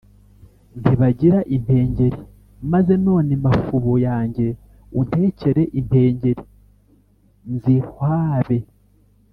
ntibagira impengeri. maze none mafubo yanjye untekere impengeri nzihwabe.